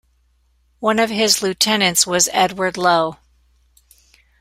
One of his lieutenants was Edward Low.